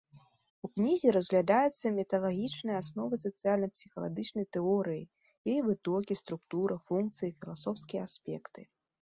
У кнізе разглядаюцца метадалагічныя асновы сацыяльна-псіхалагічнай тэорыі, яе вытокі, структура, функцыі, філасофскія аспекты.